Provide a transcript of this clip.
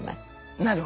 なるほど。